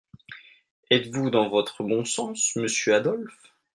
Êtes-vous dans votre bon sens, monsieur Adolphe ?